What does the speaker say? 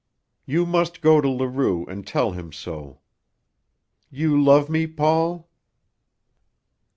You must go to Leroux and tell him so. You love me, Paul?"